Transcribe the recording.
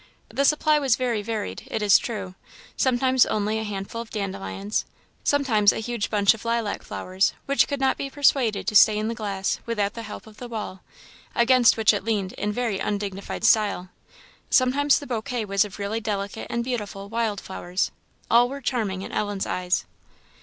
The supply was very varied, it is true; sometimes only a handful of dandelions, sometimes a huge bunch of lilac flowers, which could not be persuaded to stay in the glass without the help of the wall, against which it leaned in very undignified style; sometimes the bouquet was of really delicate and beautiful wild flowers. All were charming in Ellen's eyes.